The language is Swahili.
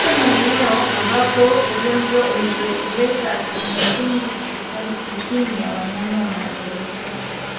Katika maeneo ambapo ugonjwa umezoeleka asilimia kumi hadi sitini ya wanyama wanaathirika